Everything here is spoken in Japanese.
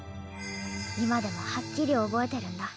今でもはっきり覚えてるんだ。